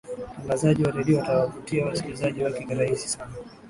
mtangazaji wa redio atawavutia wasikilizaji wake kirahisi sana